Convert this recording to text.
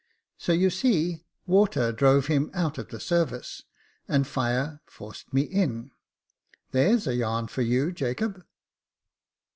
So you see, tuater drove him out of the service, and Jire forced me in. There's a yarn for you, Jacob."